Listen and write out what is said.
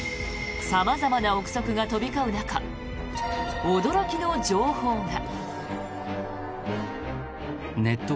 様々な臆測が飛び交う中驚きの情報が。